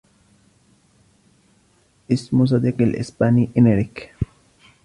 إسم صدقي الإسباني إنريك.